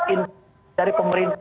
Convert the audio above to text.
ini sudah diakui oleh pemerintah pusat